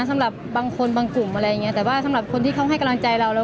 สำหรับบางคนบางกลุ่มอะไรอย่างเงี้แต่ว่าสำหรับคนที่เขาให้กำลังใจเราแล้ว